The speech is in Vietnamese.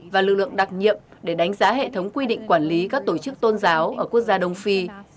và lực lượng đặc nhiệm để đánh giá hệ thống quy định quản lý các tổ chức tôn giáo ở quốc gia đông phi